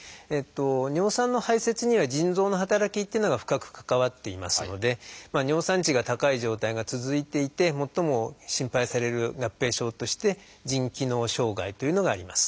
尿酸の排せつには腎臓の働きっていうのが深く関わっていますので尿酸値が高い状態が続いていて最も心配される合併症として腎機能障害というのがあります。